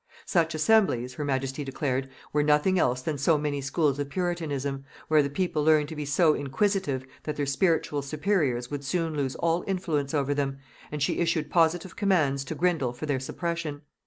Such assemblies, her majesty declared, were nothing else than so many schools of puritanism, where the people learned to be so inquisitive that their spiritual superiors would soon lose all influence over them, and she issued positive commands to Grindal for their suppression.